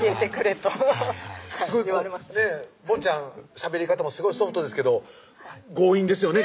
しゃべり方もすごいソフトですけど強引ですよね